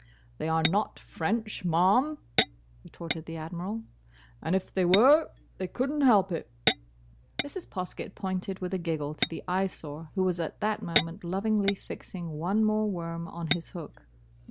"They are not French, ma'am," retorted the Admiral, "and if they were, they couldn't help it." Mrs. Poskett pointed with a giggle to the Eyesore, who was at that moment lovingly fixing one more worm on his hook.